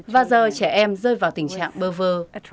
và giờ trẻ em rơi vào tình trạng bơ vơ